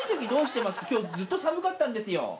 今日ずっと寒かったんですよ。